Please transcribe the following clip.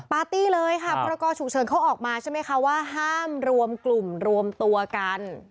ปาร์ตี้เลยค่ะพรกรฉุกเฉินเขาออกมาใช่ไหมคะว่าห้ามรวมกลุ่มรวมตัวกัน